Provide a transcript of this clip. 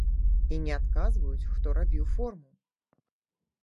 І не адказваюць, хто рабіў форму.